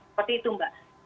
seperti itu mbak